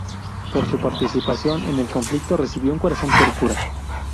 Por su participación en el conflicto recibió un Corazón Púrpura.